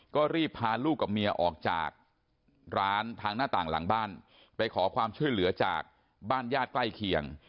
ก็รีบพาลูกกับเมียออกจากร้านทางหน้าต่างหลังบ้านไปขอความช่วยเหลือจากบ้านญาติใกล้เคียง